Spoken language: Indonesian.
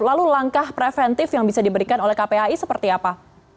lalu langkah preventif yang bisa diberikan oleh kpai seperti apa